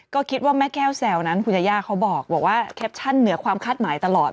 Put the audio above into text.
ก็คิดว่าแม่แก้วแซวนั้นคุณยาย่าเขาบอกว่าแคปชั่นเหนือความคาดหมายตลอด